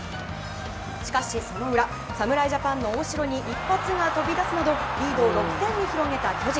しかしその裏侍ジャパンの大城に一発が飛び出すなどリードを６点に広げた巨人。